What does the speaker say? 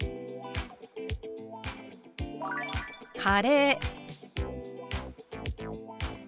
「カレー」。